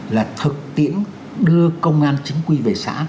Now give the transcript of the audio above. là thực tiễn đưa công an chính quy về xã